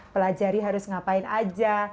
pelajari harus ngapain aja